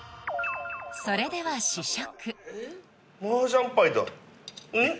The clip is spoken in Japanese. それでは試食うん？